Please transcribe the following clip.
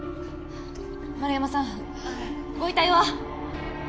円山さんご遺体は？